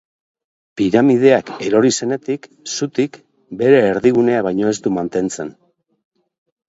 Piramideak, erori zenetik, zutik, bere erdigunea baino ez du mantentzen.